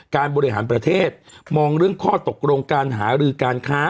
การบริหารประเทศมองเรื่องข้อตกลงการหารือการค้า